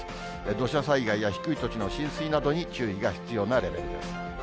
土砂災害や低い土地の浸水などに注意が必要なレベルです。